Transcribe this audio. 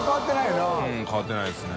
茲福うん変わってないですね。